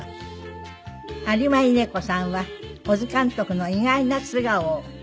有馬稲子さんは小津監督の意外な素顔を。